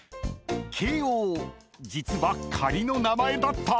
［実は仮の名前だった⁉］